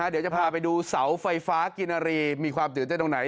เดี๋ยวจะพาไปดูเสาไฟฟ้ากินอารีมีความตื่นเต้นตรงไหน